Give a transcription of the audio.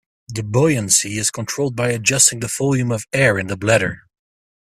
The buoyancy is controlled by adjusting the volume of air in the bladder.